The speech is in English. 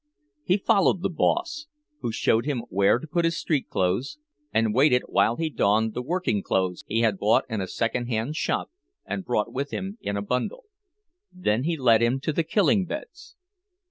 He followed the boss, who showed him where to put his street clothes, and waited while he donned the working clothes he had bought in a secondhand shop and brought with him in a bundle; then he led him to the "killing beds."